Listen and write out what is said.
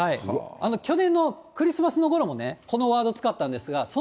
去年のクリスマスのころもね、このワード使ったんですが、その